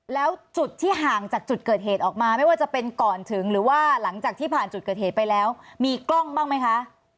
แล้วจุดที่ห่างจากจุดเกิดเหตุออกมาไม่ว่าจะเป็นก่อนถึงหรือว่าหลังจากที่ผ่านจุดเกิดเหตุไปแล้วมีกล้องบ้างไหมคะ